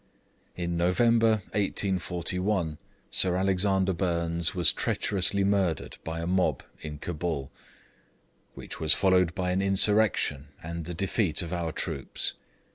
In November, 1841, Sir Alexander Burnes was treacherously murdered by a mob in Cabul, which was followed by an insurrection, and the defeat of our troops.